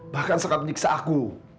bahkan sangat menyiksa aku